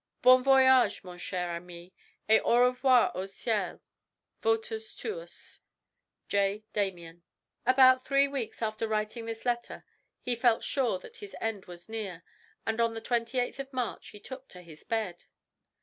Bon voyage, mon cher ami, et au revoir au ceil Votus tuus, "J. Damien." About three weeks after writing this letter he felt sure that his end was near, and on the 28th March he took to his bed.